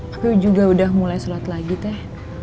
tapi juga udah mulai sholat lagi teh